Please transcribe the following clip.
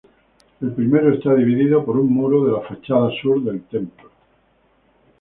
El primero está dividido por un muro de la fachada sur del templo.